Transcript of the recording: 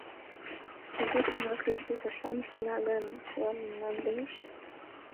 Эре тыгак рӱжге пашам ыштена гын, чыла мемнан лиеш.